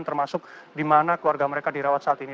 termasuk di mana keluarga mereka dirawat saat ini